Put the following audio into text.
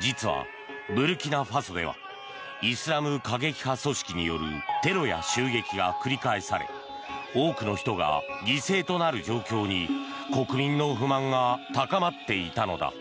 実は、ブルキナファソではイスラム過激派組織によるテロや襲撃が繰り返され多くの人が犠牲となる状況に国民の不満が高まっていたのだ。